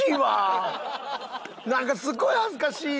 なんかすごい恥ずかしい！